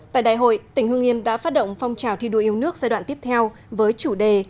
tại đại hội tỉnh hương yên đã phát động phong trào thi đua yêu nước giai đoạn tiếp theo với chủ đề